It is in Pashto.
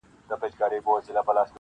• قاضي و ویل سړي ته نه شرمېږي..